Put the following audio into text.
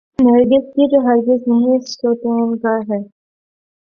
نرگس کی جو ہرگز نہیں سوتیعنقا ہے۔